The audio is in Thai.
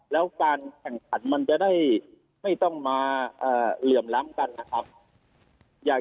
แล้วการแข่งขันมันจะได้ไม่ต้องมาเหลื่อมล้ำกันนะครับ